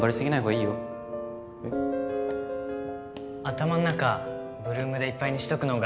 頭ん中 ８ＬＯＯＭ でいっぱいにしとくのが